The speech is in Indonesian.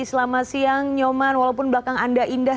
selamat siang nyoman walaupun belakang anda indah